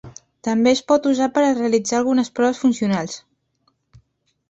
També es pot usar per a realitzar algunes proves funcionals.